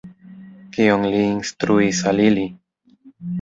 Kion li instruis al ili?